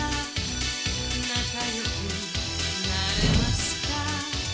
「なかよくなれますか」